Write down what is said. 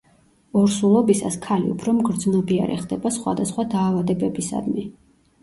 ორსულობისას ქალი უფრო მგრძნობიარე ხდება სხვადასხვა დაავადებებისადმი.